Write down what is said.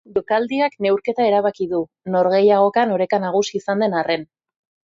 Jokaldiak neurketa erabaki du, norgehiagokan oreka nagusi izan den arren.